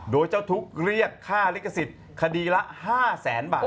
โดยเจ้าทุกข์เรียกค่าลิขสิทธิ์คดีละ๕แสนบาท